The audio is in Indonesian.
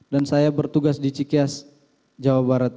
dan saya bertugas di cikias jawa barat